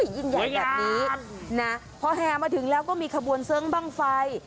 ยิ่งใหญ่แบบนี้นะพอแห่มาถึงแล้วก็มีขบวนเสิร์งบ้างไฟ